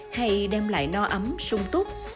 hay đem lại no ấm sung túc